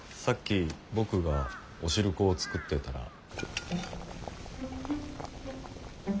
さっき僕がおしるこを作ってたら。